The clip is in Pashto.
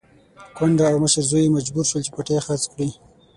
کونډه او مشر زوی يې مجبور شول چې پټی خرڅ کړي.